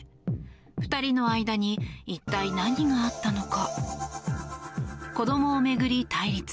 ２人の間に一体、何があったのか。